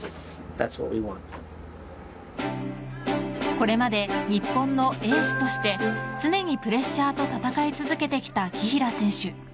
これまで、日本のエースとして常にプレッシャーと戦い続けてきた紀平選手。